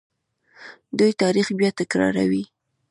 دوی تاریخ بیا تکراروي.